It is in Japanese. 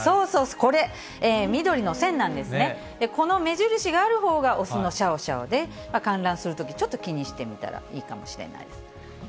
この目印があるほうが雄のシャオシャオで、観覧するとき、ちょっと気にしてみたらいいかもしれない。